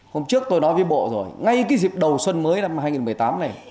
hôm trước tôi nói với bộ rồi ngay cái dịp đầu xuân mới năm hai nghìn một mươi tám này